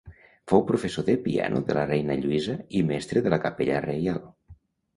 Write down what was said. Fou professor de piano de la reina Lluïsa i mestre de la Capella Reial.